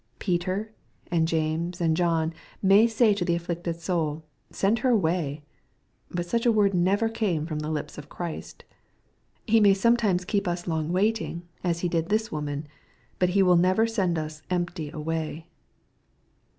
Peter, and James, and John may say to the afflicted soul, '^ Sendher away." But such a word never came from the lips of Christ. He may sometimes keep us long wating, as He did this woman. But He will never send us empty away.